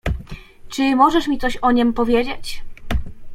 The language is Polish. "Czy możesz mi coś o niem powiedzieć?"